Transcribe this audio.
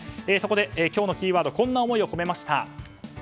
そこで、今日のキーワードこんな思いを込めました。